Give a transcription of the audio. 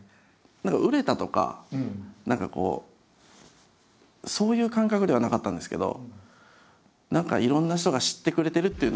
何か売れたとか何かこうそういう感覚ではなかったんですけど何かいろんな人が知ってくれてるっていうのはそこで。